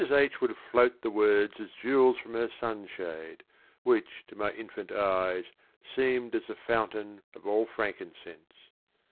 H. would float the words As jewels from her sunshade, Which to my infant eyes Seemed as the fountain of all frankincense.